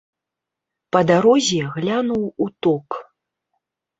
Па дарозе глянуў у ток.